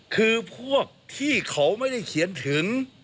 คือพวกที่เขาไม่ได้เขียนถึง